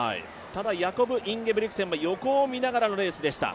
ただ、ヤコブ・インゲブリクセンは横を見ながらのレースでした。